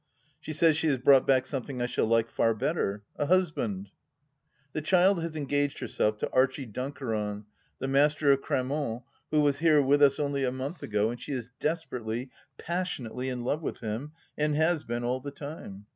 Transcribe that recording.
She says she has brought back something I shall like far better — a husband ! The child has engaged herself to Archie Dunkeron, the Master of Cramont, who was here with us only a month ago, and she is desperately, passionately, in love with him and has been all the time.